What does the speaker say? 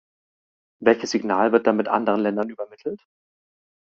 Welches Signal wird damit anderen Ländern übermittelt?